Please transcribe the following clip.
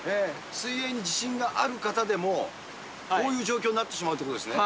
水泳に自信がある方でも、こういう状況になってしまうということですね。